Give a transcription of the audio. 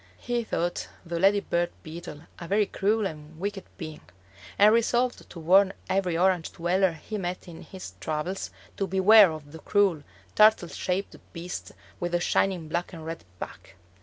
He thought the lady bird beetle a very cruel and wicked being, and resolved to warn every Orange dweller he met in his travels to beware of the cruel, turtle shaped beast with the shining black and red back.